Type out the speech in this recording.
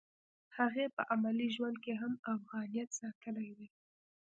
هغې په عملي ژوند کې هم افغانیت ساتلی دی